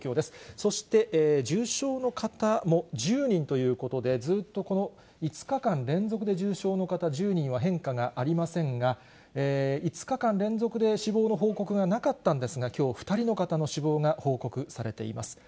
そして、重症の方も１０人ということで、ずっとこの５日間連続で重症の方、１０人は変化はありませんが、５日連続で死亡の報告がなかったんですが、きょう、２人の方の死亡が報告されています。